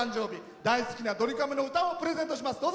大好きなドリカムの歌をプレゼントします。